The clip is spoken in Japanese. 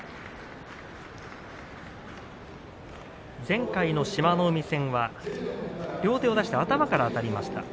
前回の志摩ノ海戦は両手を出して頭からあたりました。